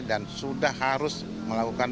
dan sudah harus melakukan